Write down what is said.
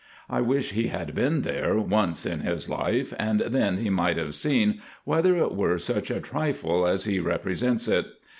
I wish he had been there once in his life, and then he might have seen, whether it were such a trifle as he represents it.